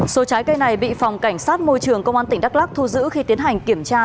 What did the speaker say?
số trái cây này bị phòng cảnh sát môi trường công an tỉnh đắk lắc thu giữ khi tiến hành kiểm tra